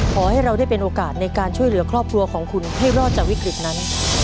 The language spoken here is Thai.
ขอให้เราได้เป็นโอกาสในการช่วยเหลือครอบครัวของคุณให้รอดจากวิกฤตนั้น